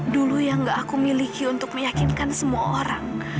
dulu yang gak aku miliki untuk meyakinkan semua orang